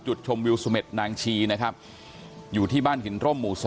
ชมวิวเสม็ดนางชีนะครับอยู่ที่บ้านหินร่มหมู่๒